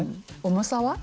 重さは？